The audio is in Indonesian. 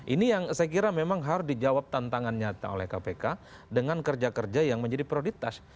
ini yang saya kira memang harus dijawab tantangan nyata oleh kpk dengan kerja kerja yang menjadi prioritas